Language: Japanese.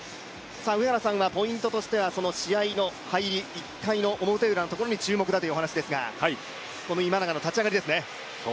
ポイントとしては、試合の入り、１回の表ウラに注目だということですが、今永の立ち上がりですね。